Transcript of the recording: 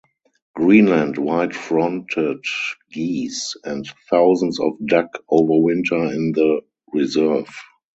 Greenland white fronted geese and thousands of duck overwinter in the reserve.